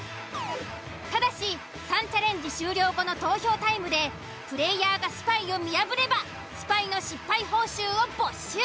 ただし３チャレンジ終了後の投票タイムでプレイヤーがスパイを見破ればスパイの失敗報酬を没収。